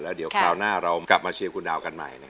เดี๋ยวคราวหน้าเรากลับมาเชียร์คุณดาวกันใหม่